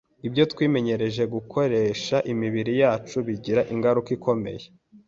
Ibyo twimenyereje gukoresha imibiri yacu bigira ingaruka ikomeye